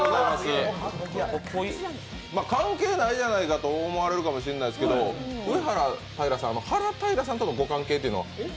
関係ないじゃないかと思われるかもしれないですけど、はらたいらさんとのご関係っていうのは？